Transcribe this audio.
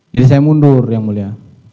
jadi saya mundur yang mulia